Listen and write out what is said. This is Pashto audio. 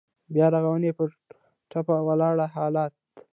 د بيا رغونې په ټپه ولاړ حالات.